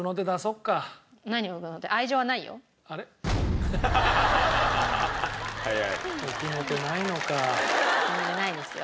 うんないですよ。